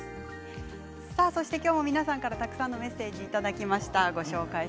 今日も皆さんから、たくさんのメッセージをいただきました。